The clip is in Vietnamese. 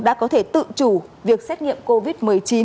đã có thể tự chủ việc xét nghiệm covid một mươi chín